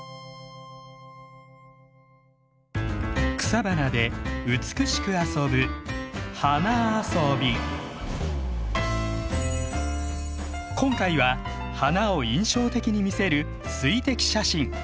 草花で美しく遊ぶ今回は花を印象的に見せる「水滴写真」。